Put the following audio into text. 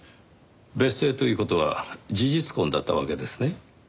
別姓という事は事実婚だったわけですね。